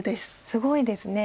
すごいですね。